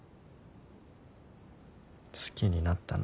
好きになったの？